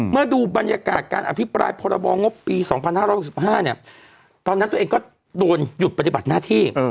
ดูบรรยากาศการอภิปรายพรบงบปี๒๕๖๕ตอนนั้นตัวเองก็โดนหยุดปฏิบัติหน้าที่